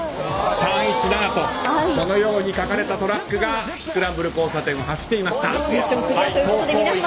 「３１７」と書かれたトラックがスクランブル交差点を走っていました。